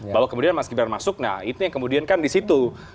bahwa kemudian mas gibran masuk nah itu yang kemudian kan di situ